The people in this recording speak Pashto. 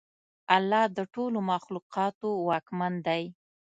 الله د ټولو مخلوقاتو واکمن دی.